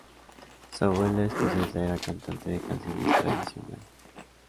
Su abuela escocesa era cantante de canciones tradicionales.